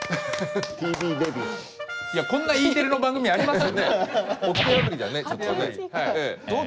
いやこんなＥテレの番組あります？